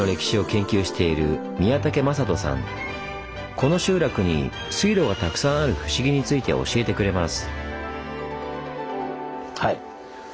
この集落に水路がたくさんある不思議について教えてくれます。